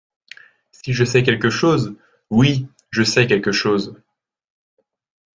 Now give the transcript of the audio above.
Si je sais quelque chose ? Oui, je sais quelque chose.